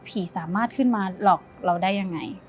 สามารถขึ้นมาหลอกเราได้ยังไง